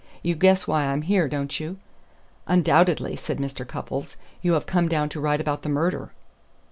You guess why I'm here, don't you?" "Undoubtedly," said Mr. Cupples. "You have come down to write about the murder."